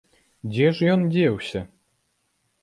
Дзе ж ён дзеўся?